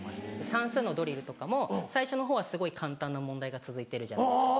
算数のドリルとかも最初のほうはすごい簡単な問題が続いてるじゃないですか。